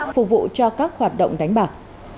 phục vụ cho các hoạt động đánh bạc